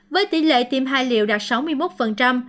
với tỷ lệ tiêm hai liệu đạt sáu mươi một